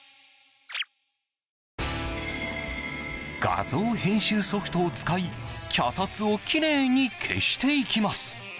画像編集ソフトを使い脚立をきれいに消していきます。